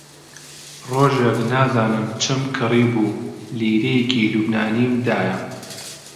ڕۆژێک نازانم چم کڕیبوو، لیرەیەکی لوبنانیم دایە